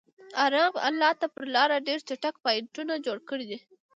رام الله ته پر لاره ډېر چک پواینټونه جوړ کړي دي.